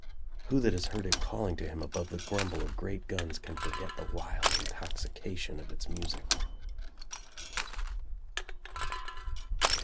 Who that has heard it calling to him above the grumble of great guns can forget the wild intoxication of its music?